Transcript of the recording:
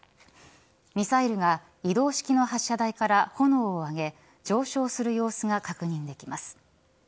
ミサイルが移動式の発射台から炎を上げ上昇する様子が確認できます。